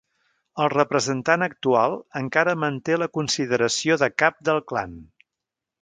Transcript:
El representant actual encara manté la consideració de cap del clan.